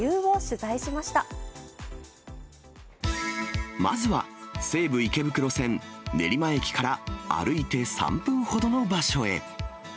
まずは、西武池袋線練馬駅から歩いて３分ほどの場所へ。